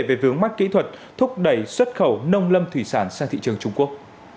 về vướng mắt kỹ thuật thúc đẩy xuất khẩu nông lâm thủy sản sang thị trường trung quốc